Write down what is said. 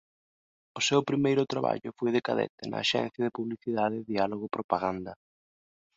O seu primeiro traballo foi de cadete na axencia de publicidade Diálogo Propaganda.